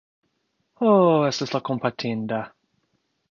Ho, estas la kompatinda .